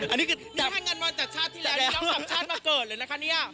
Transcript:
อันนี้คือนี่ให้เงินมาจากชาติที่แล้วนี่น้องสามชาติมาเกิดเลยนะคะเนี่ย